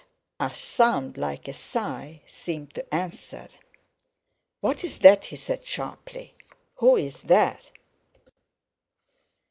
A sound like a sigh seemed to answer. "What's that?" he said sharply, "who's there?"